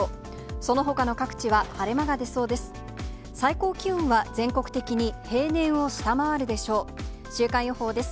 そのほかの各地は晴れ間が出そうです。